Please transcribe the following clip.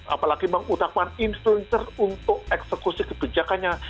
apalagi mengutakkan influencer untuk eksekusi kebijakannya